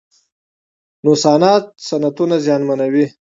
نوسانات صنعتونه زیانمنوي.